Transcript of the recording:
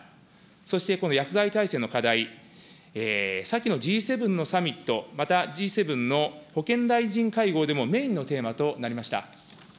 そしてこの薬剤耐性の課題、先のＧ７のサミット、またＧ７の保健大臣会合でもメインのテーマとなりました。